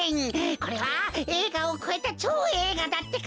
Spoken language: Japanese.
これはえいがをこえたちょうえいがだってか！